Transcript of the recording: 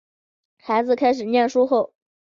孩子开始念书后